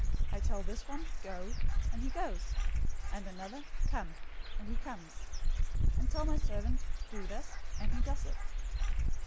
I tell this one, 'Go,' and he goes; and tell another, 'Come,' and he comes; and tell my servant, 'Do this,' and he does it."